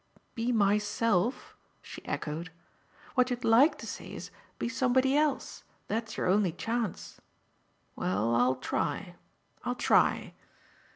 'Be myself?'" she echoed. "What you'd LIKE to say is: 'Be somebody else that's your only chance.' Well, I'll try I'll try."